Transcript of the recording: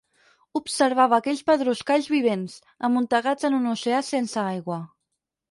Observava aquells pedruscalls vivents, amuntegats en un oceà sense aigua.